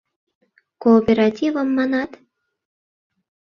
Кооперативым, манат?